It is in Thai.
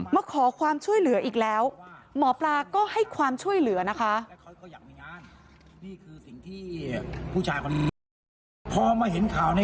มาขอความช่วยเหลืออีกแล้วหมอปลาก็ให้ความช่วยเหลือนะคะ